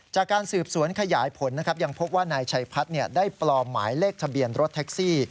จากการสืบสวนขยายผลนะครับยังพบว่านายชัยพัฒน์ได้ปลอมหมายเลขทะเบียนรถแท็กซี่